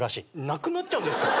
なくなっちゃうんですか？